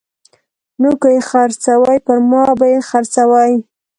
نو که یې خرڅوي پرما به یې خرڅوي